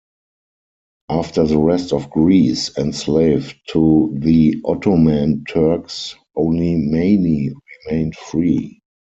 After the rest of Greece enslaved to the Ottoman Turks only Mani remained free.